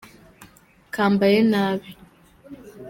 kambaye nabi